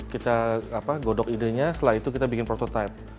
kita godok idenya setelah itu kita bikin prototipe